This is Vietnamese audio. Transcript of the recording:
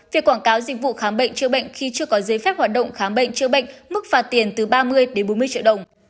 việc quảng cáo dịch vụ khám bệnh chữa bệnh khi chưa có giấy phép hoạt động khám bệnh chữa bệnh mức phạt tiền từ ba mươi đến bốn mươi triệu đồng